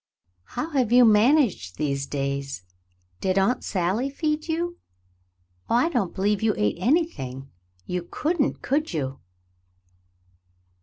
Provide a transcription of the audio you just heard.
"How have you managed these daj^s ? Did Aunt Sally feed you ? Oh, I don't believe you ate anything. You couldn't, could you